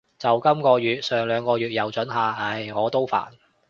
就今个月，上兩個月又准下。唉，我都煩